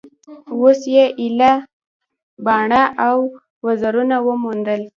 اوس یې ایله باڼه او وزرونه وموندل